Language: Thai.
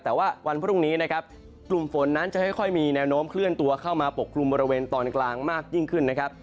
แต่ว่าวันพรุ่งนี้นะครับกลุ่มฝนนั้นจะค่อยมีแนวโน้มเคลื่อนตัวเข้ามาปกกลุ่มบริเวณตอนกลางมากยิ่งขึ้นนะครับ